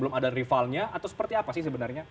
belum ada rivalnya atau seperti apa sih sebenarnya